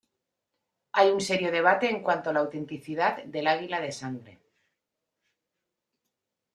Hay un serio debate en cuanto a la autenticidad del "águila de sangre".